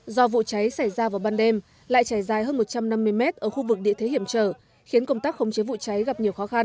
do vụ cháy xảy ra vào ban đêm lại chảy dài hơn một trăm năm mươi mét ở khu vực địa thế hiểm trở khiến công tác khống chế vụ cháy gặp nhiều khó khăn